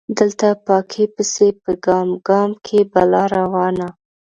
دلته پاکۍ پسې په ګام ګام کې بلا روانه